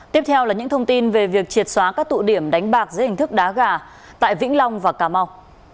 tiếp theo là những thông tin về việc triệt xóa các tụ điểm đánh bạc dưới hình thức đá gà tại vĩnh long và cà mau